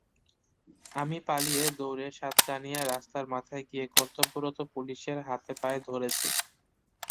আমি পালিয়ে দৌড়ে সাতকানিয়া রাস্তার মাথায় গিয়ে কর্তব্যরত পুলিশের হাতে-পায়ে ধরেছি।